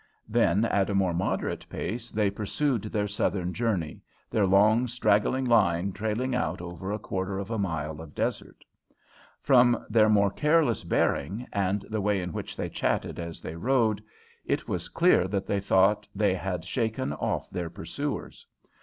Then at a more moderate pace they pursued their southern journey, their long, straggling line trailing out over a quarter of a mile of desert. From their more careless bearing and the way in which they chatted as they rode, it was clear that they thought that they had shaken off their pursuers.